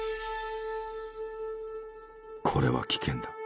「これは危険だ」。